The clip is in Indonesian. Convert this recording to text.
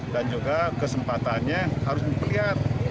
dan juga kesempatannya harus diperlihat